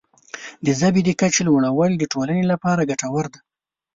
د ژبې د کچې لوړول د ټولنې لپاره ګټور دی.